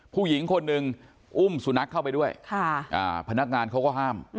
ผู้หญิงคนหนึ่งอุ้มสุนัขเข้าไปด้วยพนักงานเขาก็ห้าม